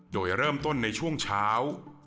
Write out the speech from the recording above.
โดยเริ่มต้นในช่วงเช้า